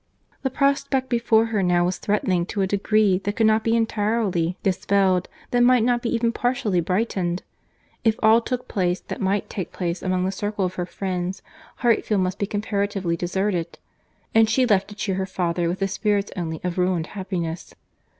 The prospect before her now, was threatening to a degree that could not be entirely dispelled—that might not be even partially brightened. If all took place that might take place among the circle of her friends, Hartfield must be comparatively deserted; and she left to cheer her father with the spirits only of ruined happiness.